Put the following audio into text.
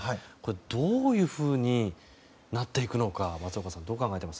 どういうふうになっていくのか松岡さん、どう考えています？